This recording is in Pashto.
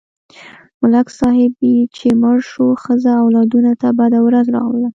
ملک صاحب چې مړ شو، ښځه او اولادونه ته بده ورځ راغله.